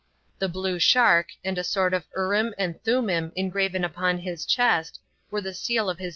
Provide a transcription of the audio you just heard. The blue shark, and a sort of Urim mmmim engraven upon his chest, were the seal of his m.